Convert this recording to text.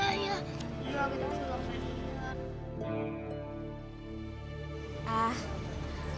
kita harus lompat ke kantor